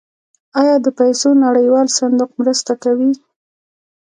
آیا د پیسو نړیوال صندوق مرسته کوي؟